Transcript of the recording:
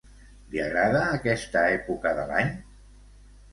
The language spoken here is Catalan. Li agrada aquesta època de l'any?